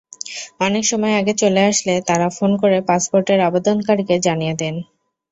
অনেক সময় আগে চলে আসলে তারা ফোন করে পাসপোর্টের আবেদনকারীকে জানিয়ে দেন।